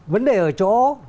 vấn đề ở chỗ